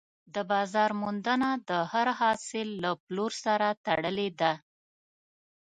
د بازار موندنه د هر حاصل له پلور سره تړلې ده.